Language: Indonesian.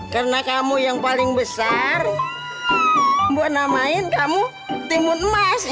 karena kamu yang paling besar buat namain kamu timun emas ya